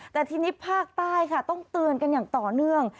แต่ทีนี้ภาคใต้ค่ะต้องเตือนกันอย่างต่อเนื่อง